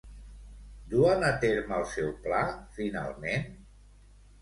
Duen a terme el seu pla finalment?